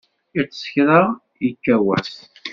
Iṭṭes kra ikka wass.